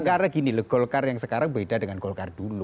sekarang gini golkar yang sekarang beda dengan golkar dulu